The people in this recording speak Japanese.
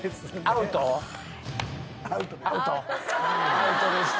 アウトでした。